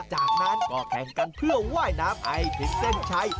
จากนั้นก็แข่งกันเพื่อไหว้น้ำไอพริกเส้นชัย